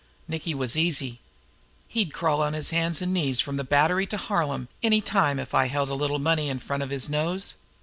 Nicky was easy. He'd crawl on his hands and knees from the Battery to Harlem any time if you held a little money in front of his nose.